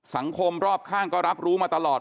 รอบข้างก็รับรู้มาตลอด